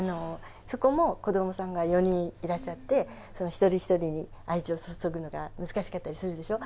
そこも子どもさんが４人いらっしゃって、一人一人に愛情注ぐのが難しかったりするでしょ。